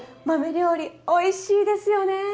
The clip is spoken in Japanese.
豆料理おいしいですよね！